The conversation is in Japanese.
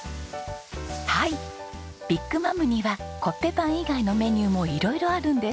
はいビッグマムにはコッペパン以外のメニューも色々あるんです。